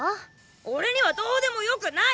俺にはどーでもよくない！